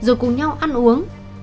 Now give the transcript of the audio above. họ cùng nhau ăn uống